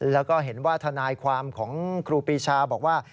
แล้วก็เห็นว่าทนายความของครูปีชาบอกว่า